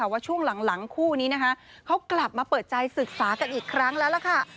ว่าช่วงหลังคู่นี้นะคะเขากลับมาเปิดใจศึกษากันอีกครั้งแล้วล่ะค่ะ